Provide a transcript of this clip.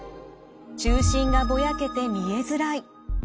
中心がぼやけて見えづらい。